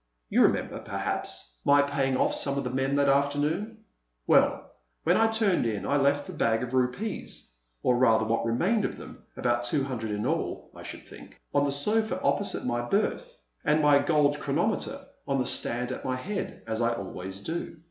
You remember, perhaps, my paying off some of the men that afternoon? Well, when I turned in I left the bag of rupees or rather what remained of them, about two hundred in all, I should think on the sofa opposite my berth, and my gold chronometer on the stand at my head, as I always do.